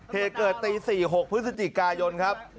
เหตุเกิดตี๔๖พฤศจิกายนครับ